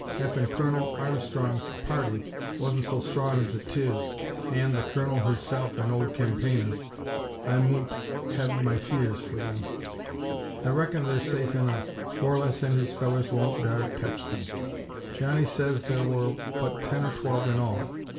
Ef Kurnel Armstrong's party wan't so strong as 'tis, an' the kurnel hisself a old campayner, I mout hev my fears for 'em. I reckin they're safe enuf. Borlasse an' his fellurs won't dar tech them. Johnny sez thar war but ten or twelve in all.